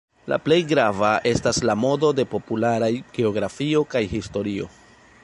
La plej grava estas la modo de popularaj geografio kaj historio.